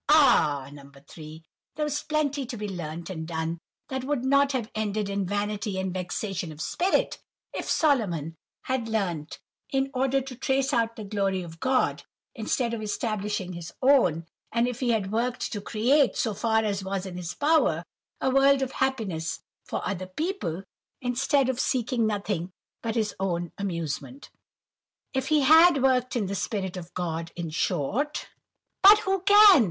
Ah! No. 3, there was plenty to be learnt and done that would not have ended in 'vanity and vexation of spirit' if Solomon had learnt in order to trace out the glory of God, instead of establishing his own; and if he had worked to create, as far as was in his power, a world of happiness for other people, instead of seeking nothing but his own amusement. If he had worked in the spirit of God, in short." "But who can?